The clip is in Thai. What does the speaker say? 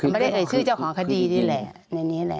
ไม่ได้เอ่ยชื่อเจ้าของคดีนี่แหละในนี้แหละ